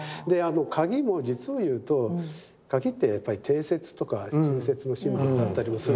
鍵も実を言うと鍵ってやっぱり貞節とか忠節のシンボルだったりもするんですね。